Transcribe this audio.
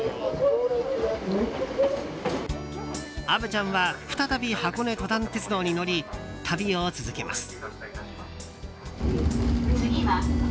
虻ちゃんは再び箱根登山鉄道に乗り旅を続けます。